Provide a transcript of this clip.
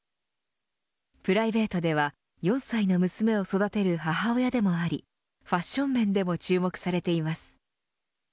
プライベートでは４歳の娘を育てる母親でもありファッション面でも注目されています。